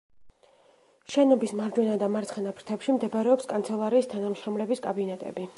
შენობის მარჯვენა და მარცხენა ფრთებში მდებარეობს კანცელარიის თანამშრომლების კაბინეტები.